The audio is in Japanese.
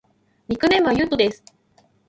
ニックネームはゆうとです。